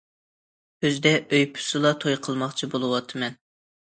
كۈزدە ئۆي پۈتسىلا توي قىلماقچى بولۇۋاتىمەن.